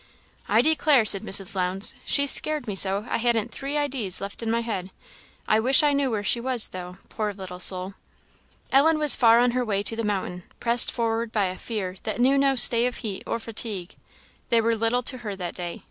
"I declare," said Mrs. Lowndes, "she scared me so, I hadn't three idees left in my head. I wish I knew where she was, though, poor little soul!" Ellen was far on her way to the mountain, pressed forward by a fear that knew no stay of heat or fatigue: they were little to her that day.